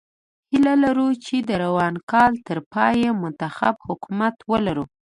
هیله لرو چې د روان کال تر پایه منتخب حکومت ولرو.